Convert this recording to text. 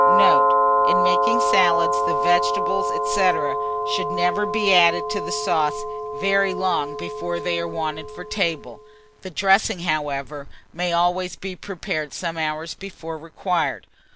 Note. In making salads, the vegetables, &c., should never be added to the sauce very long before they are wanted for table; the dressing, however, may always be prepared some hours before required.